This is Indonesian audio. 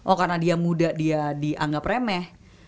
oh karena dia muda dia dianggap remeh